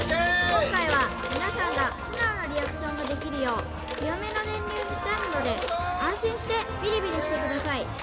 今回は皆さんが素直なリアクションができるよう強めの電流にしてあるので安心してビリビリしてください